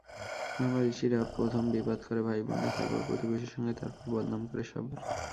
বাংলাদেশিরা প্রথম বিবাদ করে ভাই-বোনে, তারপর প্রতিবেশীর সঙ্গে, তারপর বদনাম করে সবার।